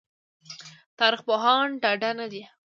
تاريخ پوهان ډاډه نه دي